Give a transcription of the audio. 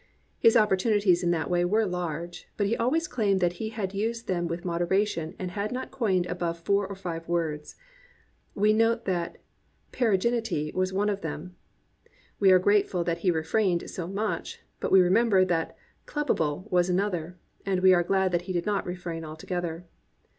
His opportunities in that way were large, but he always claimed that he had used them with moderation and had not coined above four or five words. When we note that "p>eregrin ity" was one of them, we are grateful that he re frained so much; but when we remember that "clubbable" was another, we are glad that he did not refrain altogether.